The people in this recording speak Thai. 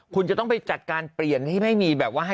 คุณจะต้องไปจัดการเปลี่ยนให้ไม่มีแบบว่าให้